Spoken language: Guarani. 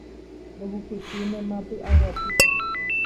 Rohupytýnema py'aguapy.